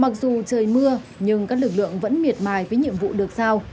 mặc dù trời mưa nhưng các lực lượng vẫn miệt mài với nhiệm vụ được sao